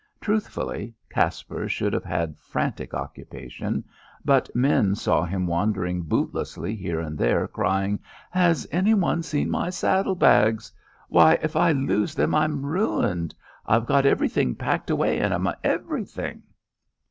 Truthfully, Caspar should have had frantic occupation, but men saw him wandering bootlessly here and there crying, "Has any one seen my saddlebags? Why, if I lose them I'm ruined. I've got everything packed away in 'em. Everything!"